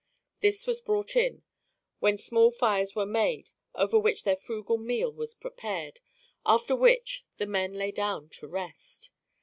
This was brought in, when small fires were made over which their frugal meal was prepared, after which the men lay down to rest.